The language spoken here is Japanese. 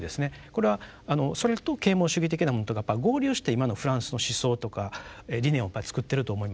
これはそれと啓蒙主義的なものとがやっぱ合流して今のフランスの思想とか理念をやっぱ作っていると思います。